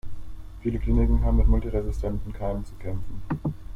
Viele Kliniken haben mit multiresistenten Keimen zu kämpfen.